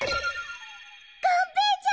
がんぺーちゃん！？